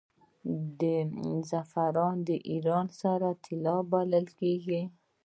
زعفران د ایران سره طلا بلل کیږي.